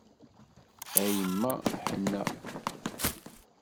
A yemma ḥenna.